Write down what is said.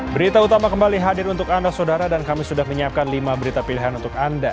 berita utama kembali hadir untuk anda saudara dan kami sudah menyiapkan lima berita pilihan untuk anda